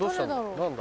何だ？